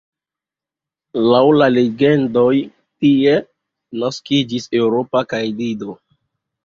Laŭ la legendoj tie naskiĝis Eŭropa kaj Dido.